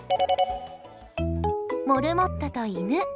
モルモットと犬。